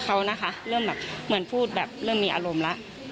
เขานะคะเริ่มแบบเหมือนพูดแบบเริ่มมีอารมณ์แล้ว